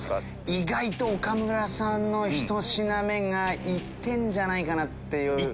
意外と岡村さんの１品目がいってんじゃないかなっていう。